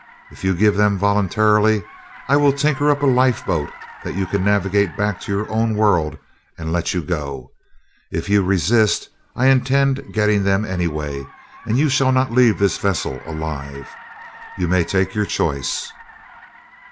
If you give them voluntarily, I will tinker up a lifeboat that you can navigate back to your own world and let you go; if you resist I intend getting them anyway and you shall not leave this vessel alive. You may take your choice."